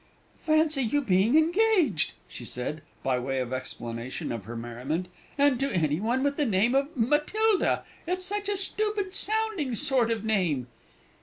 "Fancy you being engaged!" she said, by way of explanation of her merriment; "and to any one with the name of Matilda it's such a stupid sounding sort of name!"